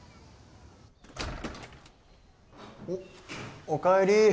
おっおかえり。